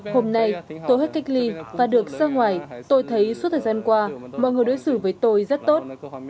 hôm nay tôi hết cách ly và được ra ngoài tôi thấy suốt thời gian qua mọi người đối xử với tôi rất tốt